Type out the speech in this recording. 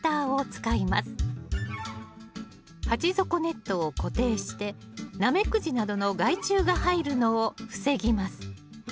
鉢底ネットを固定してナメクジなどの害虫が入るのを防ぎます。